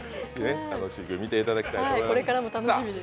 楽しく見ていただきたいと思います。